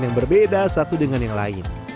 yang berbeda satu dengan yang lain